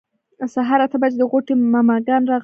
سهار اته بجې د غوټۍ ماما ګان راغلل.